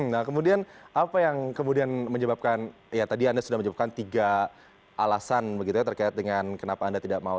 nah kemudian apa yang kemudian menyebabkan ya tadi anda sudah menyebutkan tiga alasan begitu ya terkait dengan kenapa anda tidak mau